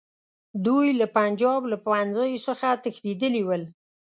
دوی له پنجاب له پوهنځیو څخه تښتېدلي ول.